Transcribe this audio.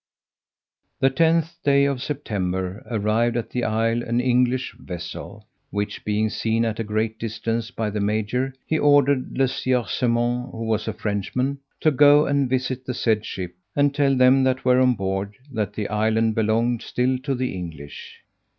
The 10th day of September arrived at the isle an English vessel, which being seen at a great distance by the major, he ordered Le Sieur Simon, who was a Frenchman, to go and visit the said ship, and tell them that were on board, that the island belonged still to the English.